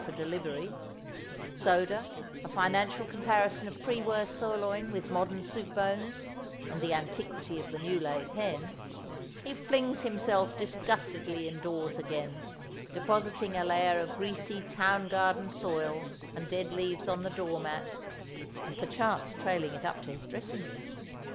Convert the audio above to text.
for delivery, soda, a financial comparison of pre war sirloin with modern soup bones, and the antiquity of the new laid hen), he flings himself disgustedly indoors again, depositing a layer of greasy town garden soil and dead leaves on the door mat, and perchance trailing it up to his dressing room.